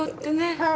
はい。